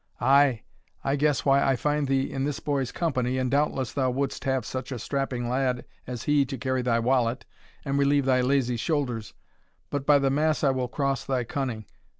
Ay, I guess why I find thee in this boy's company, and doubtless thou wouldst have such a strapping lad as he to carry thy wallet, and relieve thy lazy shoulders; but by the mass I will cross thy cunning.